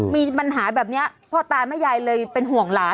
มีปัญหาแบบนี้พ่อตาแม่ยายเลยเป็นห่วงหลาน